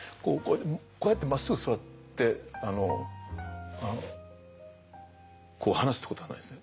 こうやってまっすぐ座ってこう話すってことはないですね。